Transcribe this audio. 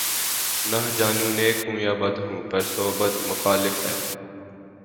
نہ جانوں نیک ہوں یا بد ہوں‘ پر صحبت مخالف ہے